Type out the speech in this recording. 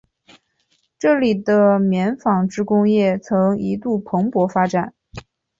这里的棉纺织工业曾一度蓬勃发展。